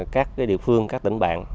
các địa phương các tỉnh bạn